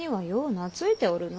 懐いておるの。